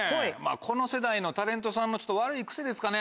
この世代のタレントさんの悪い癖ですかね。